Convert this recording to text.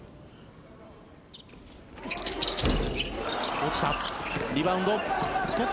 落ちた。